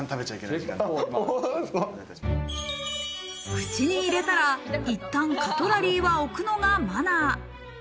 口に入れたら、いったんカトラリーは置くのがマナー。